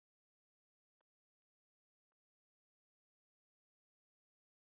অসম্ভব সুন্দর ও পরিচ্ছন্ন একটি শহর।